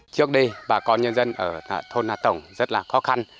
trước đây bà con nhân dân ở thôn nà tổng rất là khó khăn